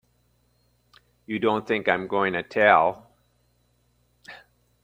You don't think I'm gonna tell!